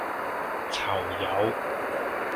囚友